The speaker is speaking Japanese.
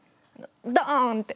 ドンって！